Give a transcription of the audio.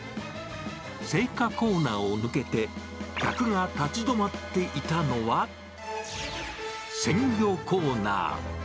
青果コーナーを抜けて客が立ち止まっていたのは、鮮魚コーナー。